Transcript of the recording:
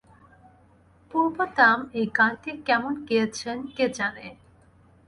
পূর্ব দাম এই গানটি কেমন গেয়েছেন কে জানে!